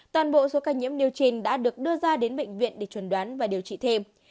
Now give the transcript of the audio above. toàn bộ số ca nhiễm nêu trên đã được đưa ra đến bệnh viện để chuẩn đoán và điều trị thêm